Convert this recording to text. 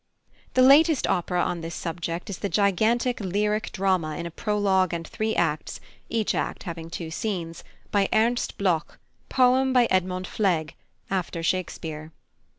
The latest opera on this subject is the gigantic lyric drama in a prologue and three acts, each act having two scenes, by +Ernest Bloch+, poem by Edmond Fleg, after Shakespeare.